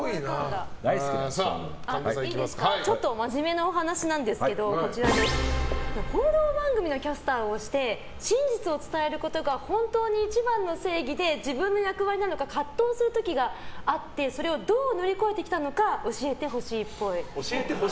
ちょっと真面目なお話ですけど報道番組のキャスターをして真実を伝えることが本当に一番の正義で自分の役割なのか葛藤する時があってそれをどう乗り越えてきたのか教えてほしいっぽい？